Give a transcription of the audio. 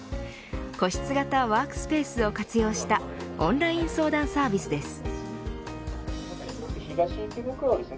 個室型ワークスペースを活用したオンライン相談サービスです。